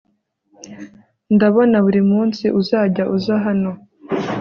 ndabona buri munsi uzajya uzahano